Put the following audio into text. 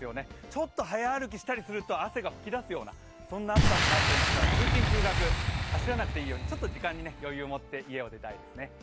ちょっと早歩きしたりすると汗が噴き出すようなそんな暑さとなっていますから、通勤・通学、走らなくていいようにちょっと時間に余裕を持って家を出たいですね。